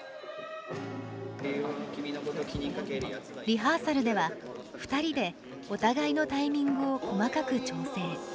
リハーサルでは２人でお互いのタイミングを細かく調整。